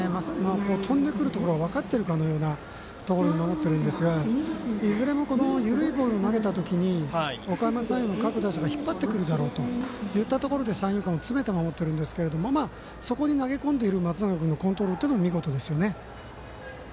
飛んでくるところ分かってるかのようなところに守っているんですがいずれも緩いボールを投げた時におかやま山陽の各打者が引っ張ってくるだろうといったところで、三遊間を詰めて守っているんですがそこに投げ込んでいる松永君のコントロールは見事ですよね。